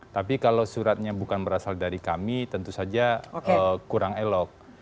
tapi kalau suratnya bukan berasal dari kami tentu saja kurang elok